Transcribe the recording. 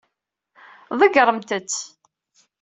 Ḍeggṛemt-tt.